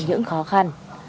những khó khăn